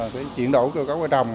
chuyển đổi cơ cấu ở trong